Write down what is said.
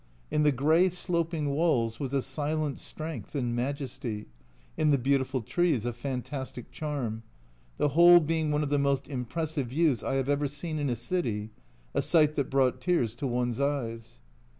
In the grey sloping walls was a silent strength and majesty, in the beautiful trees a fantastic charm ; the whole being one of the most impressive views I have ever seen in a city a sight that brought tears to one's eyes.